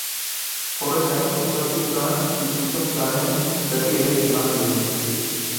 Horrez gain, etorkizunean dituzten planen berri ere eman dio.